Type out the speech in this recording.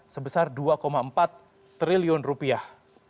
sebesar dua empat triliun rupiah